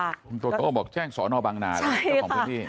คุณโตโตบอกแจ้งสนบังนาว์แจ้งของพื้นที่